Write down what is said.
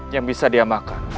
yang bisa dia makan